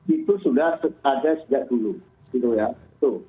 itu sudah ada sejak dulu